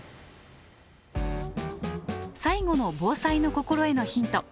最後の防災の心得のヒント。